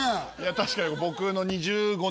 確かに僕の。